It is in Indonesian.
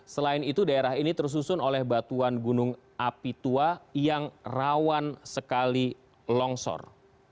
selain itu daerah ini tersusun oleh batuan gunung api tua yang rawan sekali longsor